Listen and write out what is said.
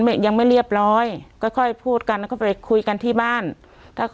ไม่ยังไม่เรียบร้อยค่อยพูดกันก็ไปคุยกันที่บ้านถ้า